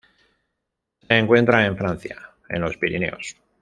Se encuentra en Francia, en los Pirineos